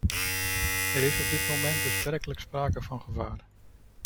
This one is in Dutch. Er is op dit moment dus werkelijk sprake van gevaar.